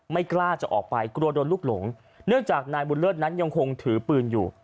ไม่กล้าจะออกไปกลัวโดนลูกหลงเนื่องจากนายบุญเลิศนั้นยังคงถือปืนอยู่